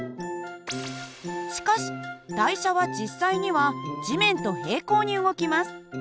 しかし台車は実際には地面と平行に動きます。